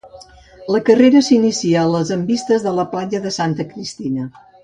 La carrera s'inicia a les envistes de la Platja de Santa Cristina.